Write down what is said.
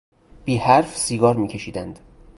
بیحرف سیگار میکشیدند.